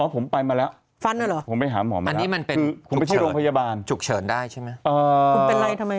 อ๋อผมไปมาแล้วผมไปหาหมอมาแล้วคือผมไปที่โรงพยาบาลจุกเฉินได้ใช่ไหม